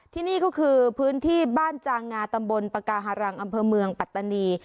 ที่นี่ก็คือพื้นที่บ้านจางงาตำบลปากาหารังอำเภอเมืองปัตตานี